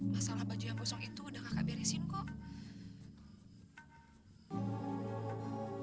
masalah baju yang kosong itu udah kakak beresin kok